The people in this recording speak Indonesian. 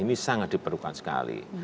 ini sangat diperlukan sekali